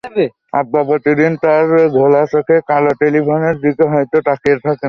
আব্বা প্রতিদিন তার ঘোলা চোখে কালো টেলিফোনের দিকে হয়তো তাকিয়ে থাকেন।